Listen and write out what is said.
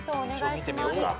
一応見てみようか。